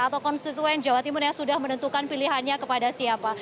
atau konstituen jawa timur yang sudah menentukan pilihannya kepada siapa